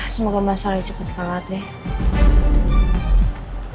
semoga masalahnya cepat semangat deh